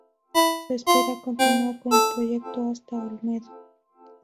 Se espera continuar con el proyecto hasta Olmedo.